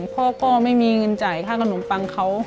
พ่อก็ไม่มีเงินจ่ายค่าขนมปังเขา